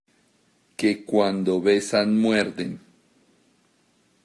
que cuando besan muerden.